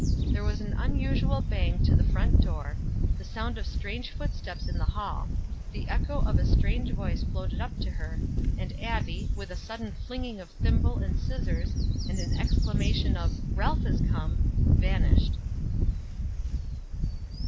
There was an unusual bang to the front door, the sound of strange footsteps in the hall, the echo of a strange voice floated up to her, and Abbie, with a sudden flinging of thimble and scissors, and an exclamation of "Ralph has come," vanished.